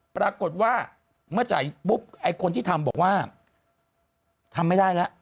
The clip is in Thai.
ปรากฏว่าเมื่อจ่ายปุ๊บไอ้คนที่ทำบอกว่าทำไม่ได้แล้ว